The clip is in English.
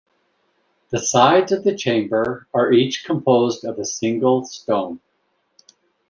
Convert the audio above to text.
The sides of the chamber are each composed of a single stone.